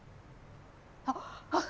あっ！